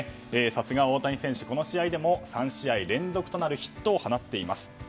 さすが大谷選手、この試合でも３試合連続となるヒットを放っています。